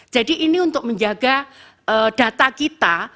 jadi ini untuk menjaga data kita